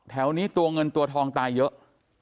แถวนี้ตัวเงินตัวทองตายเยอะ